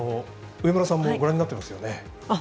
上村さんもご覧になってますよね。